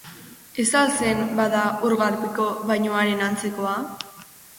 Ez al zen, bada, ur garbiko bainuaren antzekoa?